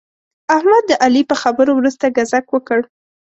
احمد د علي په خبرو ورسته ګذک وکړ.